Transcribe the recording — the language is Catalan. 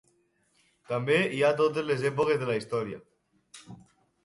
També hi ha totes les èpoques de la història.